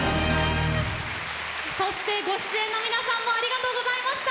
ご出演の皆さんもありがとうございました。